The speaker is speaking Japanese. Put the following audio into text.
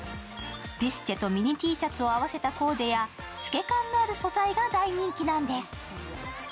ビスチェとミニＴシャツを合わせたコーデや透け感のある素材が大人気なんです。